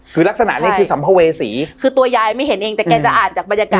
คือลักษณะนี้คือสัมภเวษีคือตัวยายไม่เห็นเองแต่แกจะอ่านจากบรรยากาศ